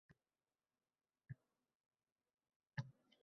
Kattalar yer chizdi. Kattalar qizarib-bo‘zardi.